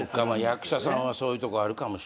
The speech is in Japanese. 役者さんはそういうとこあるかもしれへんわ。